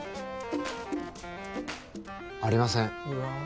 ありませんうわ